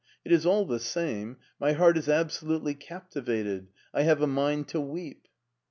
It is all the same, my heart is absolutely captivated: I have a mind to weep."